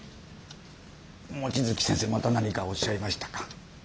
望月先生また何かおっしゃいましたか？